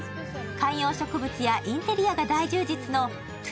観葉植物をインテリアが大充実のＴＯＤＡＹ